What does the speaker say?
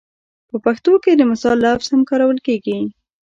په پښتو کې د مثال لفظ هم کارول کېږي